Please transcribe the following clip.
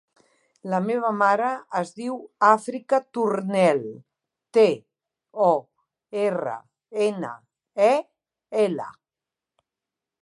La meva mare es diu Àfrica Tornel: te, o, erra, ena, e, ela.